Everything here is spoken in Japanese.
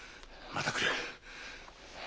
また来る。